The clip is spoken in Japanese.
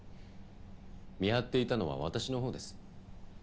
見張っていたのは私のほうです。